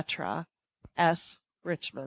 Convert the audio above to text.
S. RICHMAN.